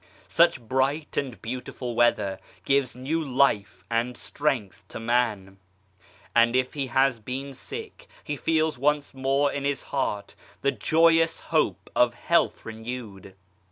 Such bright and beautiful weather gives new life and strength to man, and if he has been sick, he feels once more in his heart the joyous hope of health renewed.